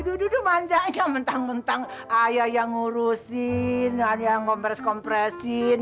yaudah yaudah manjaknya mentang mentang ayah yang ngurusin ayah yang ngompres kompresin